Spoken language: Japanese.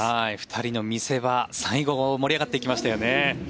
２人の見せ場、最後盛り上がっていきましたね。